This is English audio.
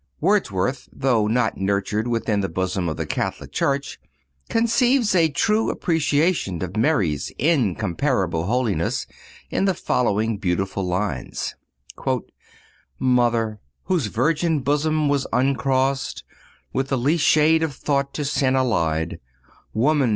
Wordsworth, though not nurtured within the bosom of the Catholic Church, conceives a true appreciation of Mary's incomparable holiness in the following beautiful lines: "Mother! whose virgin bosom was uncrossed With the least shade of thought to sin allied; Woman!